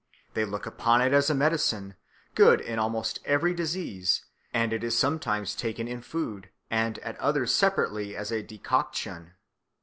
They look upon it as a medicine, good in almost every disease, and it is sometimes taken in food and at others separately as a decoction.